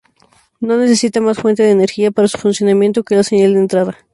No necesita más fuente de energía para su funcionamiento que la señal de entrada.